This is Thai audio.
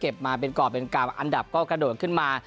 เก็บมาเป็นกล่อเป็นกราบอันดับก็กระโดดขึ้นมา